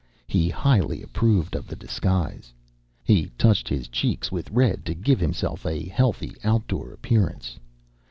He highly approved of the disguise. He touched his cheeks with red to give himself a healthy, outdoor appearance.